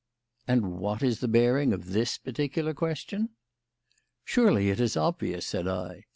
"And what is the bearing of this particular question?" "Surely it is obvious," said I.